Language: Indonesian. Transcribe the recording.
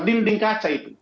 dinding kaca itu